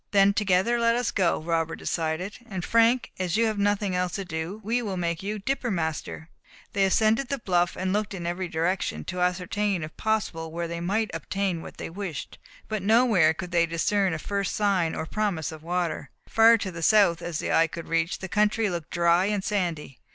"Then together let us go," Robert decided. "And Frank, as you have nothing else to do, we will make you dipper master." They ascended the bluff, and looked in every direction, to ascertain if possible where they might obtain what they wished; but nowhere could they discern the first sign or promise of water. Far to the south as the eye could reach, the country looked dry and sandy.